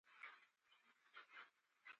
سندره د ادب یو بڼه ده